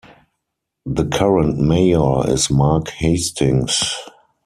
The current Mayor is Mark Hastings.